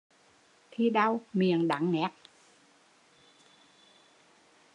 Khi đau, miệng đắng nghét